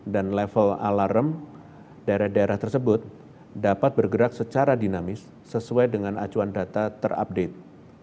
dan level alarm daerah daerah tersebut dapat bergerak secara dinamis sesuai dengan acuan data terupdate